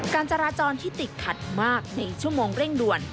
การจราจรที่ติดขัดมากในชั่วโมงเร่งด่วน